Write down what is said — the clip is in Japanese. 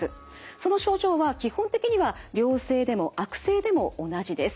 その症状は基本的には良性でも悪性でも同じです。